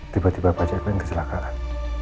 tiba tiba pak jekling kecelakaan